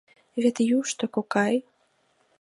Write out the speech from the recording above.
— Вет йӱштӧ, кокай!